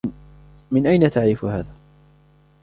من أينَ تعرف هذا ؟